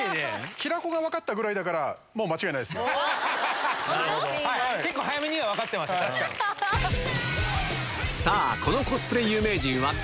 平子が分かったぐらいだから、結構早めには分かってました、さあ、このコスプレ有名人は誰？